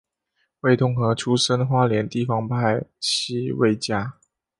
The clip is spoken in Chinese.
魏东河出身花莲地方派系魏家。